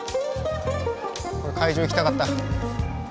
会場行きたかった。